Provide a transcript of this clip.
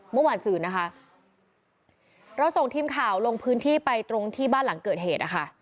เมื่อวานสื่อนะคะเราส่งทีมข่าวลงพื้นที่ไปตรงที่บ้านหลังเกิดเหตุนะคะ